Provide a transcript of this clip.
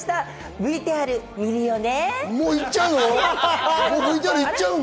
ＶＴＲ、見るよね！